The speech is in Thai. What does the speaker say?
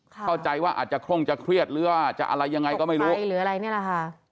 เข้าใจว่าอาจจะคร่งจะเครียดหรือว่าจะอะไรยังไงก็ไม่รู้ใช่หรืออะไรนี่แหละค่ะ